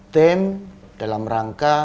tim dalam rangka